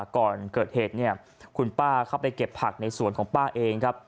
ก่อนเกิดเหตุเนี่ยคุณป้าเข้าไปเก็บผักในสวนของป้าเองครับ